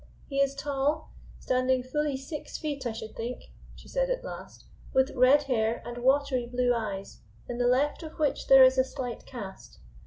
"He is tall, standing fully six feet, I should think," she said at last, "with red hair and watery blue eyes, in the left of which there is a slight cast.